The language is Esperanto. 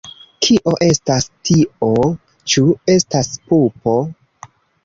Kio estas tio? Ĉu estas pupo?